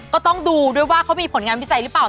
ก็ต้องดูด้วยว่าเขามีผลงานวิจัยหรือเปล่า